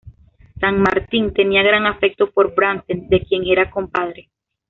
San Martín tenía gran afecto por Brandsen, de quien era compadre.